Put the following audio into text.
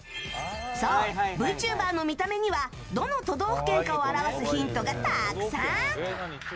そう、ＶＴｕｂｅｒの見た目にはどの都道府県かを表すヒントがたくさん。